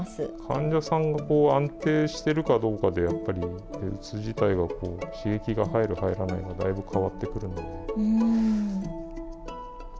患者さんが安定しているかどうかで施術自体が刺激が入る入らないがだいぶ変わってくるんで。